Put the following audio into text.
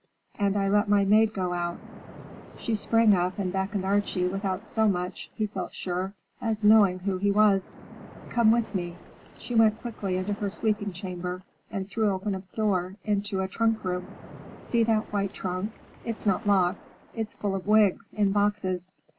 And I let my maid go out." She sprang up and beckoned Archie without so much, he felt sure, as knowing who he was. "Come with me." She went quickly into her sleeping chamber and threw open a door into a trunk room. "See that white trunk? It's not locked. It's full of wigs, in boxes.